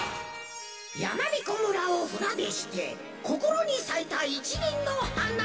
やまびこ村をふなでしてこころにさいたいちりんのはな。